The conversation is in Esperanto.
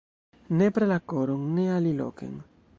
Nepre la koron, ne aliloken!